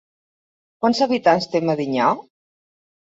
Quants habitants té Medinyà?